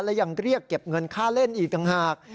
และยังเรียกเก็บเงินค่าเล่นอีกต่างหาก